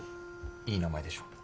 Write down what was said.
いい名前でしょ？